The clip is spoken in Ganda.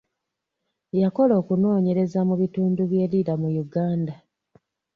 Yakola okunoonyereza mu bitundu bye Lira mu Uganda.